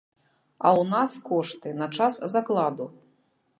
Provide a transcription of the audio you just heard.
А ў нас кошты на час закладу.